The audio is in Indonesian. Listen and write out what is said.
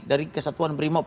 dari kesatuan brimob